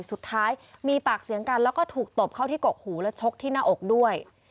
สุดท้ายมีปากเสียงกันแล้วก็ถูกตบเข้าที่กกหูและชกที่หน้าอกด้วย